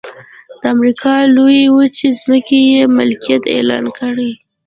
د امریکا لویې وچې ځمکې یې ملکیت اعلان کړې.